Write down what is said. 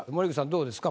どうですか？